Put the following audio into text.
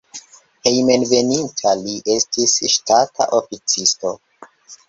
Hejmenveninta li estis ŝtata oficisto.